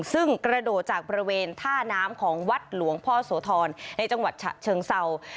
ซึ่งกระโดดจากบริเวณท่าน้ำของวัดหลวงพ่อโสธรในจังหวัดฉะเชิงเศร้า